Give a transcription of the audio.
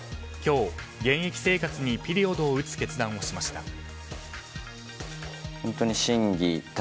今日、現役生活にピリオドを打つ決断をしました。